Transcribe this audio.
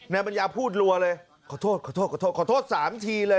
แน่บัญญาพูดลัวเลยขอโทษขอโทษขอโทษขอโทษ๓ทีเลย